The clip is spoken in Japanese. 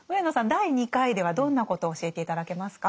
第２回ではどんなことを教えて頂けますか？